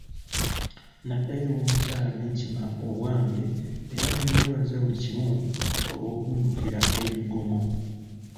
Naddayo ew'omukyala ne nkima obwange era ne mmwebaza buli kimu olw'okundukira emigomo.